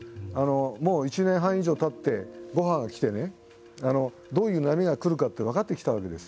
もう１年半以上たって５波が来てどういう波が来るというのが分かってきているわけです。